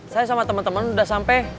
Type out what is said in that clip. saya sama temen temen udah sampe